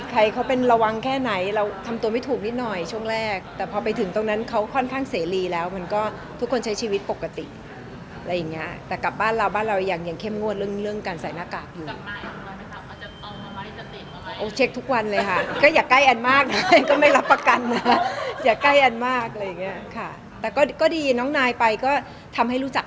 ใครเขาเป็นระวังแค่ไหนเราทำตัวไม่ถูกนิดหน่อยช่วงแรกแต่พอไปถึงตรงนั้นเขาค่อนข้างเสรีแล้วมันก็ทุกคนใช้ชีวิตปกติอะไรอย่างเงี้ยแต่กลับบ้านเราบ้านเรายังยังเข้มงวดเรื่องเรื่องการใส่หน้ากากอยู่เช็คทุกวันเลยค่ะก็อย่าใกล้อันมากนะแอนก็ไม่รับประกันนะอย่าใกล้อันมากอะไรอย่างเงี้ยค่ะแต่ก็ดีน้องนายไปก็ทำให้รู้จัก